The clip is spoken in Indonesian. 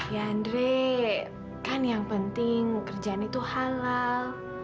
ya andre kan yang penting mau kerjaan itu halal